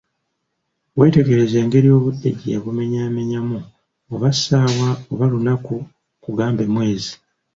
Weetegerezza engeri obudde gye yabumenyamenyamu, oba ssaawa, oba lunaku, kagube mwezi!